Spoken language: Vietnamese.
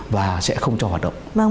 và sẽ không cho hoạt động